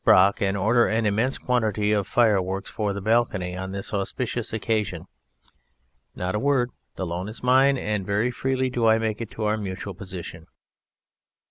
Brock and order an immense quantity of fireworks for the balcony on this auspicious occasion. Not a word. The loan is mine and very freely do I make it to our Mutual Position."